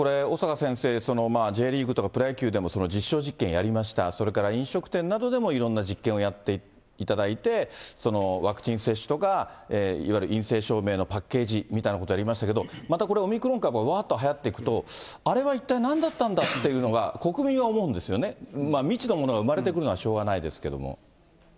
ですからこれ、小坂先生、Ｊリーグとかプロ野球でも実証実験やりました、それから飲食店などでもいろんな実験をやっていただいて、ワクチン接種とか、いわゆる陰性証明のパッケージみたいなことやりましたけれども、またこれオミクロン株がわーっとはやっていくと、あれは一体何だったんだというのは、国民は思うんですよね、未知のものが生まれてくるのはしょうがないですけれども。